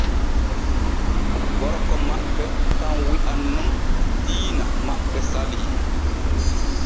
Gorko maɓɓe kan wi’an nun diina maɓɓe salii.